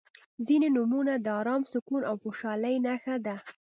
• ځینې نومونه د ارام، سکون او خوشحالۍ نښه ده.